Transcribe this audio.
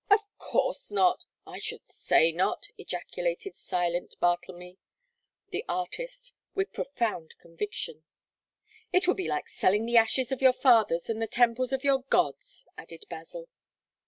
"Of course not; I should say not!" ejaculated silent Bartlemy, the artist, with profound conviction. "It would be like selling 'the ashes of your fathers and the temples of your gods,'" added Basil.